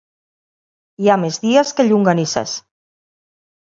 Hi ha més dies que llonganisses.